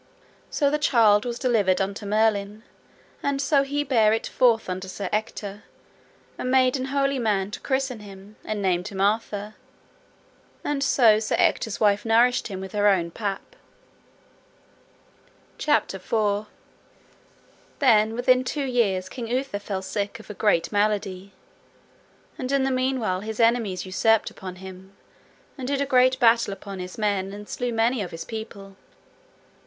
So the child was delivered unto Merlin, and so he bare it forth unto Sir Ector, and made an holy man to christen him, and named him Arthur; and so Sir Ector's wife nourished him with her own pap. CHAPTER IV. Of the death of King Uther Pendragon. Then within two years King Uther fell sick of a great malady. And in the meanwhile his enemies usurped upon him, and did a great battle upon his men, and slew many of his people.